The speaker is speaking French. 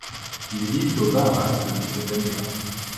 Ils vivent aux Bahamas depuis cette année-là.